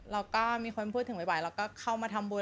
เราก็มีคนพูดถึงบ่ายแล้วก็เข้ามาทำบุญ